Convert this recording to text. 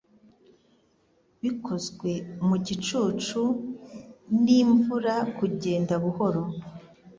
bikozwe mu gicucu n'imvura kugenda buhoro